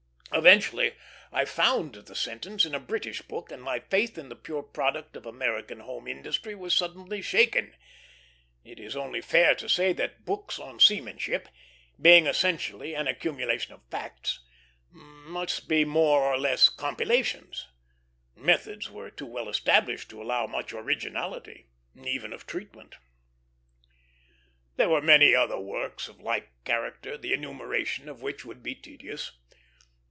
Eventually I found the sentence in a British book, and my faith in the pure product of American home industry was suddenly shaken. It is only fair to say that books on seamanship, being essentially an accumulation of facts, must be more or less compilations. Methods were too well established to allow much originality, even of treatment. There were many other works of like character, the enumeration of which would be tedious.